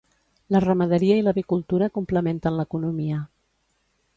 La ramaderia i l'avicultura complementen l'economia.